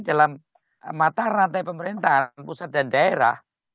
dalam mata rantai pemerintahan pusat dan daerah